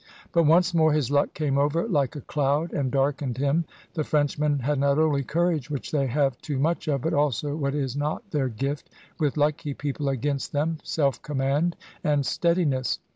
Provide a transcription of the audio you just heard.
But once more his luck came over, like a cloud, and darkened him. The Frenchmen had not only courage (which they have too much of), but also what is not their gift, with lucky people against them, self command and steadiness.